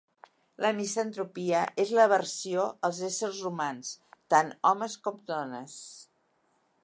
La misantropia és l'aversió als éssers humans, tant homes com dones.